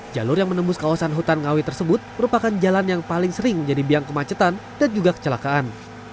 jalur yang menembus kawasan hutan ngawi tersebut merupakan jalan yang paling sering menjadi biang kemacetan dan juga kecelakaan